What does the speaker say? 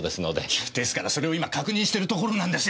いやですからそれを今確認してるところなんですよ。